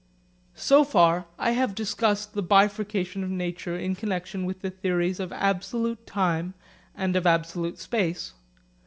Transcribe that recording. So far I have discussed the bifurcation of nature in connexion with the theories of absolute time and of absolute space.